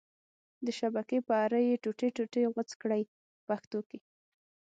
د شبکې په اره یې ټوټې ټوټې غوڅ کړئ په پښتو کې.